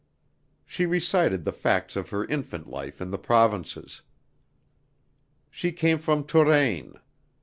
She recited the facts of her infant life in the provinces. She came from Touraine.